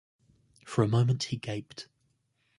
For a moment he gaped.